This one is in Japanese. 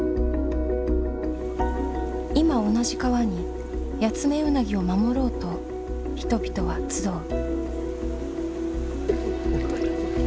今同じ川にヤツメウナギを守ろうと人々は集う。